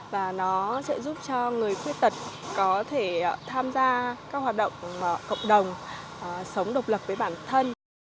và nó sẽ giúp cho người khuyết tật có thể tham gia các hoạt động cộng đồng sống độc lập với bản thân